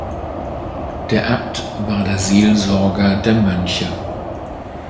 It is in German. Der Abt war der Seelsorger der Mönche.